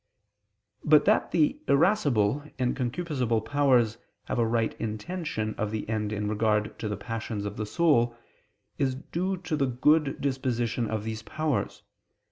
But that the irascible and concupiscible powers have a right intention of the end in regard to the passions of the soul, is due to the good disposition of these powers.